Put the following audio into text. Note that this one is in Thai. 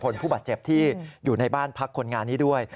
ผู้บาดเจ็บที่อยู่ในบ้านพักคนงานนี้ด้วย